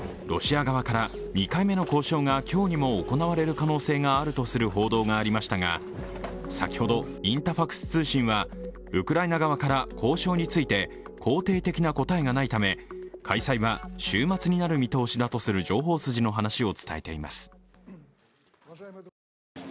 ロシア側から２回目の交渉が今日にも行われる可能性があるとする報道がありましたが先ほど、インタファクス通信はウクライナ側から交渉について肯定的な答えがないため、開催は週末になる見通しだとする情報筋の話を伝えています。